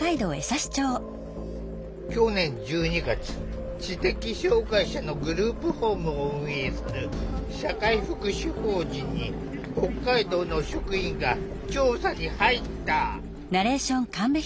去年１２月知的障害者のグループホームを運営する社会福祉法人に北海道の職員が調査に入った。